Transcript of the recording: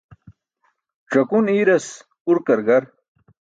Ẓakun i̇iras urkar gar.